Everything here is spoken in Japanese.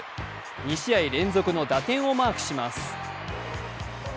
２試合連続の打点をマークします。